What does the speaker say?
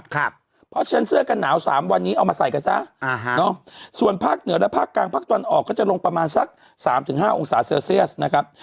เพราะฉะนั้นเสื้อกันหนาว๓วันนี้เอามาใส่กันซะส่วนภาคเหนือและภาคกลางภาคตะวันออกก็จะลงประมาณสัก๓๕องศาเซลเซียสนะครับ